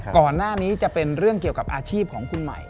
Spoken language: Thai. ก่อนหน้านี้จะเป็นเรื่องเกี่ยวกับอาชีพของคุณใหม่